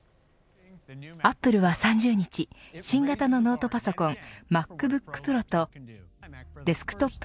アップルは３０日新型のノートパソコンＭａｃＢｏｏｋＰｒｏとデスクトップ